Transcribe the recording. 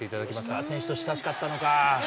吉川選手と親しかったのか。